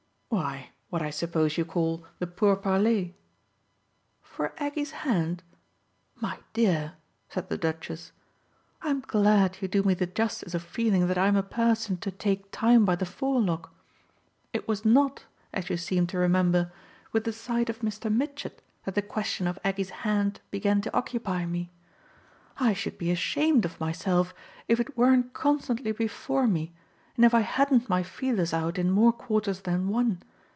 "Why what I suppose you call the pourparlers." "For Aggie's hand? My dear," said the Duchess, "I'm glad you do me the justice of feeling that I'm a person to take time by the forelock. It was not, as you seem to remember, with the sight of Mr. Mitchett that the question of Aggie's hand began to occupy me. I should be ashamed of myself if it weren't constantly before me and if I hadn't my feelers out in more quarters than one.